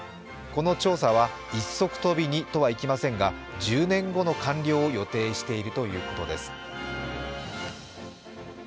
この調査は一足飛びにとはいきませんが、１０年後の完了を予定しているということです。